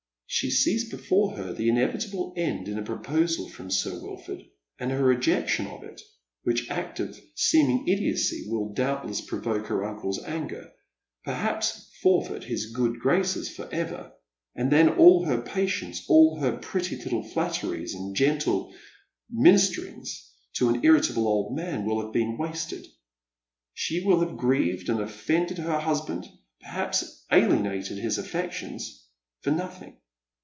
She sees before her the inevitable end in a proposal from Sir Wilford, and her rejection of it, which act of seeming idiocy will doubtless provoke her uncle's anger, perhaps forfeit his good graces for ever ; and then all her patience, all her pretty little flatteries and gentle ministerings to an initable old man will have been wasted. She will have grieved and offended her hus band, perhaps alienated his affections — for nothing.